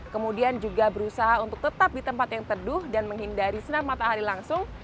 kemudian juga berusaha untuk tetap di tempat yang teduh dan menghindari senam matahari langsung